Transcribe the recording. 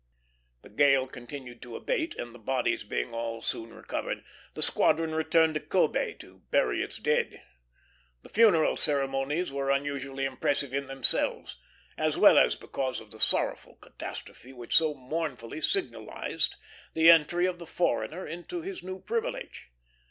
The gale continued to abate, and the bodies being all soon recovered, the squadron returned to Kobé to bury its dead. The funeral ceremonies were unusually impressive in themselves, as well as because of the sorrowful catastrophe which so mournfully signalized the entry of the foreigner into his new privilege.